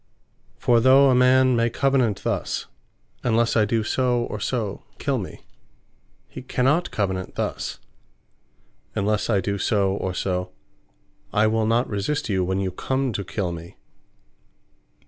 For though a man may Covenant thus, "Unlesse I do so, or so, kill me;" he cannot Covenant thus "Unless I do so, or so, I will not resist you, when you come to kill me."